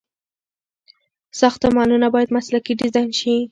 ساختمانونه باید مسلکي ډيزاين شي.